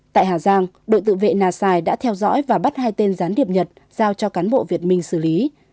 tại hà giang đội tự vệ nà xài đã theo dõi và bắt hai tên gián điệp nhật giao cho cán bộ việt minh xử lý